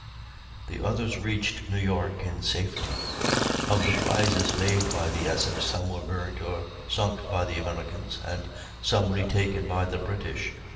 The others reached New York in safety. Of the prizes made by the Essex, some were burnt or sunk by the Americans, and some retaken by the British.